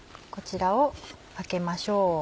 こちらをかけましょう。